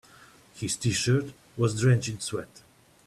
His t-shirt was drenched in sweat.